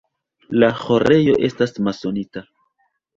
La ĥorejo estas masonita.